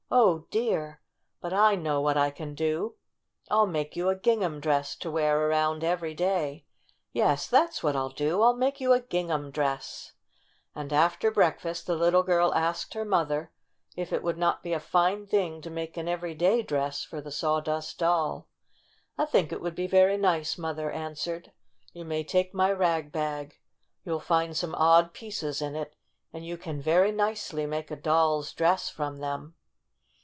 Oh, dear ! But I know what I can do ! I'll make you a gingham dress to wear around every day. Yes, that's what I 'll do ! I 'll make you a gingham dress !'' And after breakfast the little girl asked her mother if it would not be a fine thing to make an every day dress for the Saw dust Doll. "I think it would be very nice," Mother answered. "You may take my rag bag. You'll find some odd pieces in it and you can, very nicely, make a doll's dress from them."